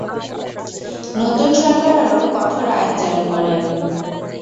নতুন সরকার আরো কঠোর আইন জারি করে।